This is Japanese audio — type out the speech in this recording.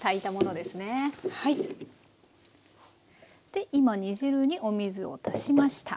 で今煮汁にお水を足しました。